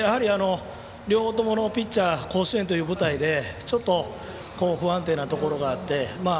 両方のピッチャーが甲子園という舞台でちょっと不安定なところがあって。